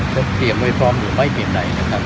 จะเตรียมไว้พร้อมหรือไม่ต้องเตรียมไหน